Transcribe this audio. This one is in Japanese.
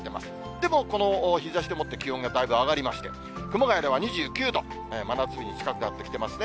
でもこの日ざしでもって、気温がだいぶ上がりまして、熊谷では２９度、真夏日に近くなってきていますね。